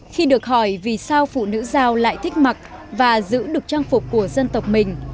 khi được hỏi vì sao phụ nữ giao lại thích mặc và giữ được trang phục của dân tộc mình